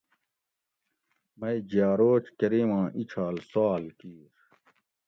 مئی جیاروچ کریماں ایچھال سال کیر